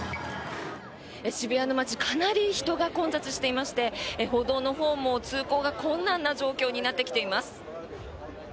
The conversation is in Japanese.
渋谷の街かなり人が混雑していまして歩道のほうも通行が困難な状況になってきています。